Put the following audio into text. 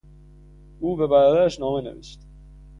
او به برادرش نامه نوشت.